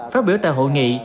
phát biểu tại hội nghị